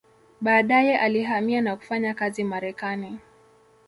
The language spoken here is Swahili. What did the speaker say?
Baadaye alihamia na kufanya kazi Marekani.